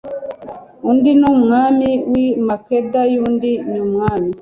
undi ni umwami w i Makeda y undi ni umwami